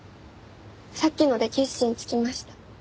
さっきので決心つきました。